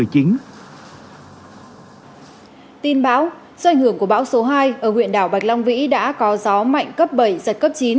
tin bão do ảnh hưởng của bão số hai ở huyện đảo bạch long vĩ đã có gió mạnh cấp bảy giật cấp chín